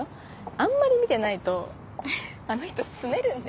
あんまり見てないとあの人すねるんで。